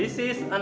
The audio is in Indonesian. ini adalah kemasan